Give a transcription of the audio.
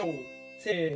せの。